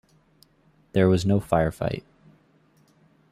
There was no fire fight.